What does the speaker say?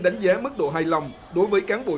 đánh giá mức độ hài lòng đối với cán bộ